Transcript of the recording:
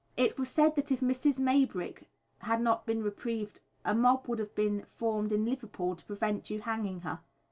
"It was said that if Mrs. Maybrick had not been reprieved a mob would have been formed in Liverpool to prevent your hanging her."